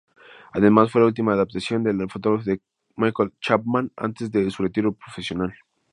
Además, fue la última adaptación del fotógrafo Michael Chapman, antes de su retiro profesional.